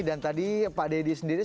dan tadi pak deddy sendiri